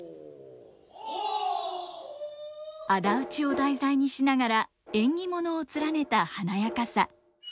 仇討ちを題材にしながら縁起物を連ねた華やかさ。